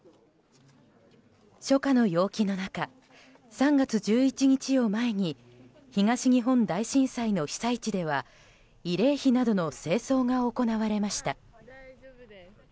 初夏の陽気の中３月１１日を前に東日本大震災の被災地では慰霊碑などの清掃が行われました。